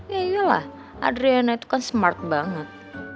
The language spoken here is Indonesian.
yaiyalah adriana itu kan smart banget